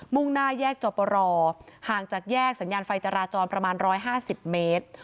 ่งหน้าแยกจบรอห่างจากแยกสัญญาณไฟจราจรประมาณ๑๕๐เมตร